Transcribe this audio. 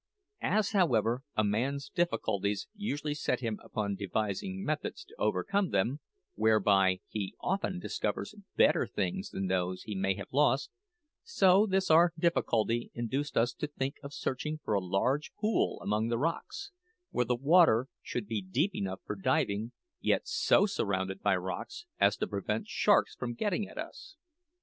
As, however, a man's difficulties usually set him upon devising methods to overcome them, whereby he often discovers better things than those he may have lost, so this our difficulty induced us to think of searching for a large pool among the rocks, where the water should be deep enough for diving, yet so surrounded by rocks as to prevent sharks from getting at us.